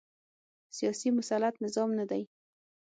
سیاسي مسلط نظام نه دی